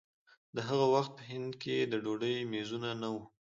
د هغه وخت په هند کې د ډوډۍ مېزونه نه وو.